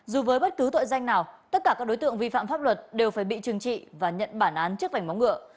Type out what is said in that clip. dù với bất cứ tội danh nào tất cả các đối tượng vi phạm pháp luật đều phải bị trừng trị và nhận bản án trước vảnh móng ngựa